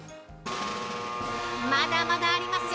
◆まだまだあります！